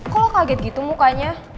kok lo kaget gitu mukanya